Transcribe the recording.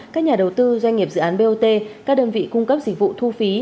các nhà đầu tư doanh nghiệp dự án bot các đơn vị cung cấp dịch vụ thu phí